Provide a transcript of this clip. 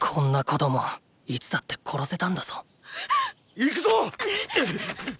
行くぞ！